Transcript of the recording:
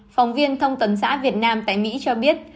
phóng viên thông tấn xã việt nam tại mỹ cho biết